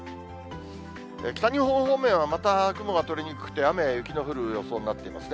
北日本方面はまた雲が取れにくくて、雨や雪の降る予想になっていますね。